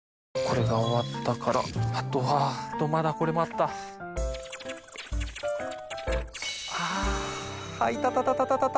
これが終わったからあとはまだこれもあった。